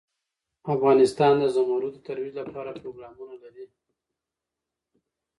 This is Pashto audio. افغانستان د زمرد د ترویج لپاره پروګرامونه لري.